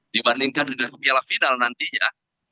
dibandingkan dengan piala final nantinya